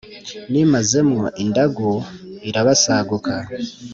Nimaze mwo indagu irabasaguka